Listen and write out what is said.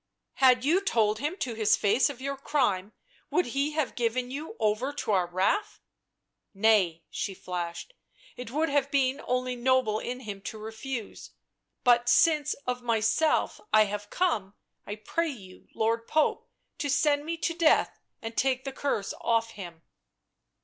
" Had you told him to his face of your crime, would he have given you over to our wrath?" " Nay," she flashed. " It would have been only noble in him to refuse; but since of myself I have come, I pray you, Lord Pope, to send me to death and take the curse off him."